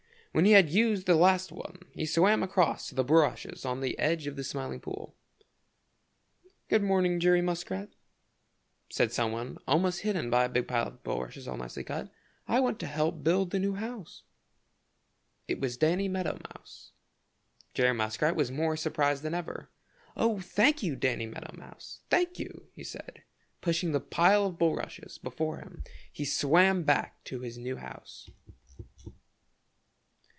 When he had used the last one he swam across to the bulrushes on the edge of the Smiling Pool. "Good morning, Jerry Muskrat," said some one almost hidden by a big pile of bulrushes, all nicely cut. "I want to help build the new house." It was Danny Meadow Mouse. Jerry Muskrat was more surprised than ever. "Oh, thank you, Danny Meadow Mouse, thank you!" he said, and pushing the pile of bulrushes before him he swam back to his new house.